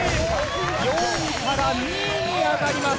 ４位から２位に上がります。